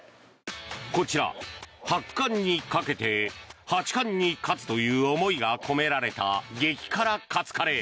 こちら、発汗に掛けて八冠に勝つという思いが込められた激辛カツカレー。